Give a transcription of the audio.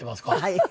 はい。